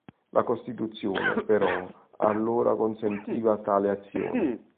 La costituzione, però, allora consentiva tale azione.